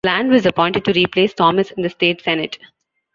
Bland was appointed to replace Thomas in the State Senate.